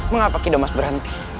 mengapa kidomas berhenti